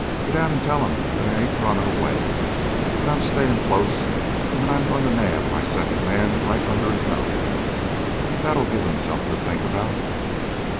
Go down and tell him that I ain't running away that I'm staying close, and that I'm going to nab my second man right under his nose. That'll give him something to think about."